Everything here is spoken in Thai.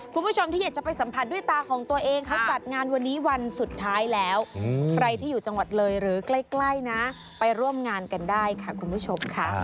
คุณผู้ชมที่อยากจะไปสัมผัสด้วยตาของตัวเองเขาจัดงานวันนี้วันสุดท้ายแล้วใครที่อยู่จังหวัดเลยหรือใกล้นะไปร่วมงานกันได้ค่ะคุณผู้ชมค่ะ